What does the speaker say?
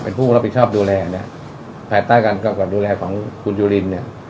เป็นผู้รับผิดชอบดูแลเนี่ยภายใต้การกำกับดูแลของคุณจุลินเนี่ย